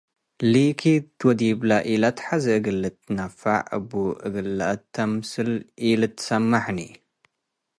ሊኪድ ወዲብለ ኢለአትሐዜ እግል ልትነፈዕ እቡ እግል ለአተምስል ኢልትሰመሕኒ።